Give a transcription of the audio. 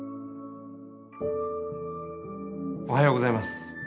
おはようございます。